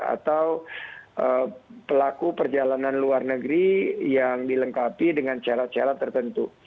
atau pelaku perjalanan luar negeri yang dilengkapi dengan syarat syarat tertentu